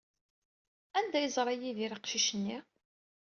Anda ay yeẓra Yidir aqcic-nni?